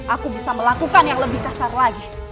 aku bisa melakukan yang lebih kasar lagi